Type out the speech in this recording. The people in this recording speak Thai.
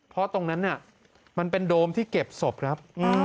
เพราะตรงนั้นมันเป็นโดมที่เก็บศพครับ